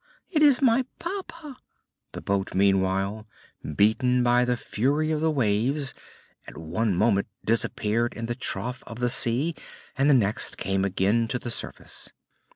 It is my papa!" The boat, meanwhile, beaten by the fury of the waves, at one moment disappeared in the trough of the sea, and the next came again to the surface.